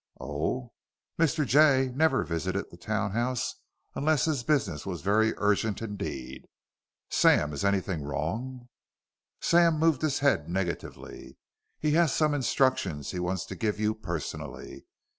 "Oh?" Mr. Jay never visited the townhouse unless his business was very urgent indeed. "Sam, is anything wrong?" Sam moved his head negatively. "He has some instructions he wants to give you personally.